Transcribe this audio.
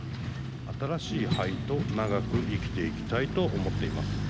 新しい肺と長く生きていきたいと思っています。